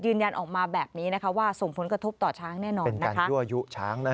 ยืนยันออกมาแบบนี้นะคะว่าส่งผลกระทบต่อช้างแน่นอนนะคะ